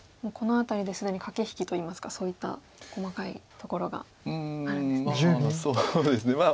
この辺りで既に駆け引きといいますかそういった細かいところがあるんですね。